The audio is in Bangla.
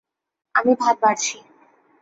আমি ভাত বাড়ছি।